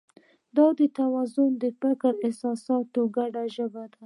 دا توازن د فکر او احساس ګډه ژبه ده.